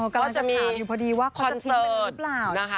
กำลังจะถามอยู่พอดีว่าเขาจะทิ้งไปได้หรือเปล่า